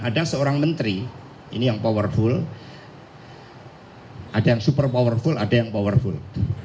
ada seorang menteri ini yang powerful ada yang super powerful ada yang powerful